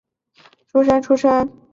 诸生出身。